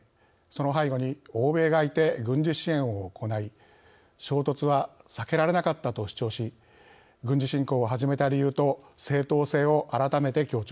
その背後に欧米がいて軍事支援を行い衝突は避けられなかったと主張し軍事侵攻を始めた理由と正当性を改めて強調しました。